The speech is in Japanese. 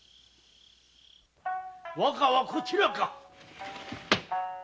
・若はこちらか！？